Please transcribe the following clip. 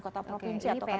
kota provinsi atau kota kota